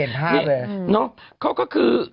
เห็นภาพเลยอ่ะเนาะเขาก็คือ